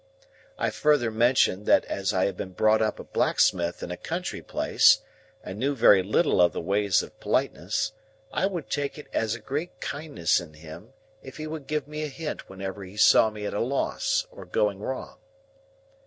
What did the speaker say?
I further mentioned that as I had been brought up a blacksmith in a country place, and knew very little of the ways of politeness, I would take it as a great kindness in him if he would give me a hint whenever he saw me at a loss or going wrong.